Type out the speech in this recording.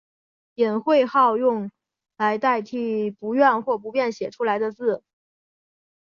隐讳号用来代替不愿或不便写出来的字。